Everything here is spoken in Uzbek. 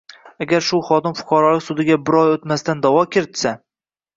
Agar shu xodim fuqarolik sudiga bir oy oʻtmasdan daʼvo kiritsa